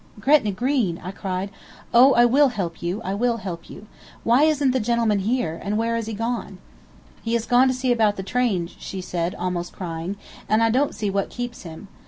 "Gretna Green!" I cried. "Oh, I will help you! I will help you! Why isn't the gentleman here, and where has he gone?" "He has gone to see about the trains," she said, almost crying, "and I don't see what keeps him.